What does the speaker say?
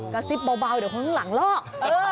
กระซิบเบาเดี๋ยวคนข้างหลังลอก